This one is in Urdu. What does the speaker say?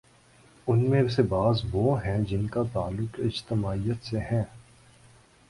ان میں سے بعض وہ ہیں جن کا تعلق اجتماعیت سے ہے۔